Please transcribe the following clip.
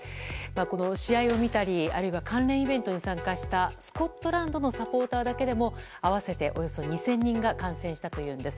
この試合を見たり関連イベントに参加したスコットランドのサポーターだけでも合わせて、およそ２０００人が感染したというんです。